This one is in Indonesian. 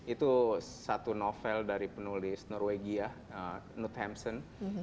itu satu novel dari penulis norwegia knut hamsun